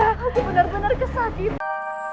aku benar benar kesakitan